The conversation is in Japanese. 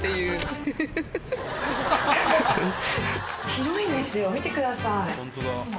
広いんですよ見てください。